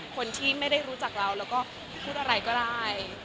คนที่ไม่ได้รู้จักเราแล้วก็พูดอะไรก็ได้